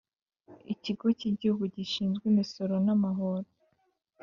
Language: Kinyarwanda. ikigo kigihugu gishinzwe imisoro n,amahoro